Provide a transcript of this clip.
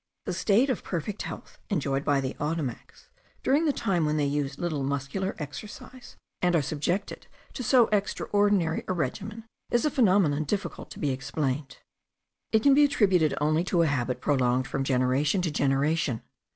The state of perfect health enjoyed by the Ottomacs during the time when they use little muscular exercise, and are subjected to so extraordinary a regimen, is a phenomenon difficult to be explained. It can be attributed only to a habit prolonged from generation to generation.